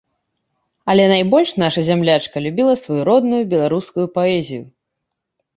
Але найбольш наша зямлячка любіла сваю родную беларускую паэзію.